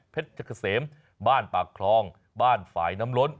จะเกษมบ้านปากคลองบ้านฝ่ายน้ำล้น